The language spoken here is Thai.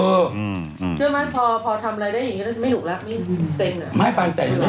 เชื่อมายป่าวพอทำอะไรได้อย่างนี้ก็ไม่ถูกแล้ว